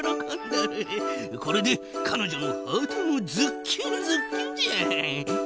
これでかのじょのハートもズッキュンズッキュンじゃ！